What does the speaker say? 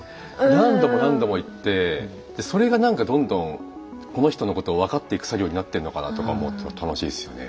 何度も何度も行ってそれがなんかどんどんこの人のことを分かっていく作業になってんのかなとか思うと楽しいですよね。